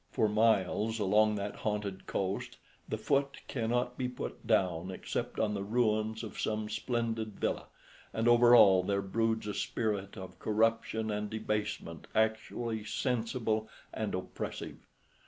For miles along that haunted coast the foot cannot be put down except on the ruins of some splendid villa, and over all there broods a spirit of corruption and debasement actually sensible and oppressive.